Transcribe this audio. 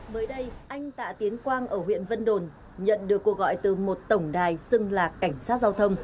mới đây anh tạ tiến quang ở huyện vân đồn nhận được cuộc gọi từ một tổng đài xưng là cảnh sát giao thông